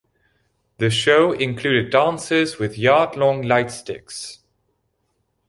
The show included dancers with yard-long light sticks.